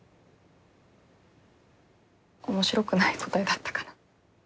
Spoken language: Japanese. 面白くない答えだったかな。